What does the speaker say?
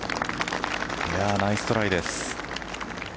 ナイストライです。